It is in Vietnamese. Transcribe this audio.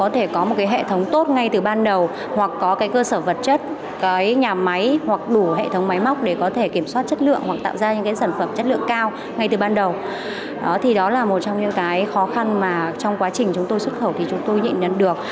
thì đó là một trong những cái khó khăn mà trong quá trình chúng tôi xuất khẩu thì chúng tôi nhịn nhắn được